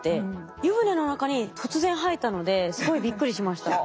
湯船の中に突然生えたのですごいびっくりしました。